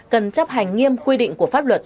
cần chấp hành nghiêm quy định của pháp luật